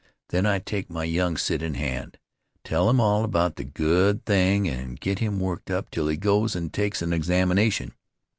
Then I take my young Cit in hand, tell him all about the good thing and get him worked up till he goes and takes an examination.